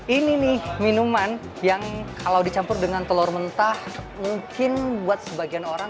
ini nih minuman yang kalau dicampur dengan telur mentah mungkin buat sebagian orang